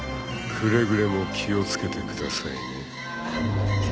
［くれぐれも気を付けてくださいね］